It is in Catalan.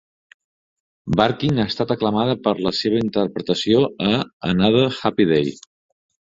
Barkin ha estat aclamada per la seva interpretació a "Another happy day".